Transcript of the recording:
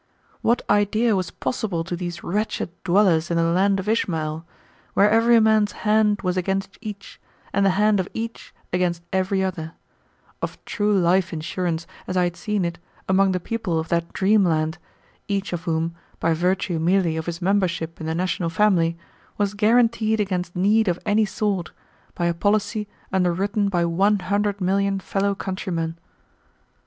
What idea was possible to these wretched dwellers in the land of Ishmael, where every man's hand was against each and the hand of each against every other, of true life insurance as I had seen it among the people of that dream land, each of whom, by virtue merely of his membership in the national family, was guaranteed against need of any sort, by a policy underwritten by one hundred million fellow countrymen.